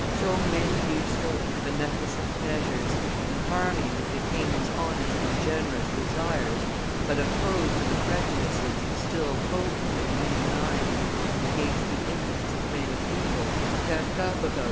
So many useful and beneficent measures, in harmony with the king's honest and generous desires, but opposed to the prejudices still potent in many minds and against the interests of many people, kept up about M.